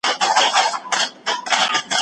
هیڅوک حق نه لري چي د بل چا په رایې فشار راوړي.